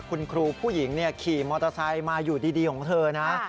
คุณครูผู้หญิงขี่มอเตอร์ไซค์มาอยู่ดีของเธอนะ